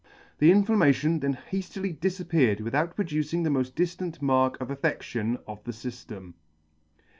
The inflammation then hadily difappeared without producing the mod: didant mark of affedtion of the fydem.